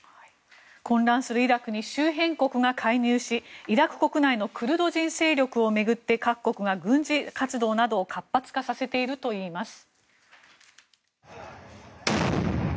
混乱するイラクに周辺国が介入しイラク国内のクルド人勢力を巡って各国が、軍事活動などを活発化させているといいます。